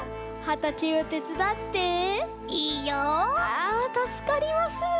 あたすかります。